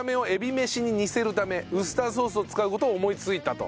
めしに似せるためウスターソースを使う事を思いついたと。